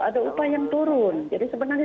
ada upaya yang turun jadi sebenarnya